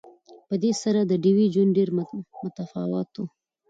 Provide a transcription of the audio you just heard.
په دې سره د ډیوې ژوند ډېر متفاوت وو